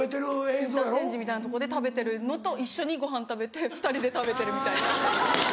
インターチェンジみたいなとこで食べてるのと一緒にごはん食べて２人で食べてるみたいな。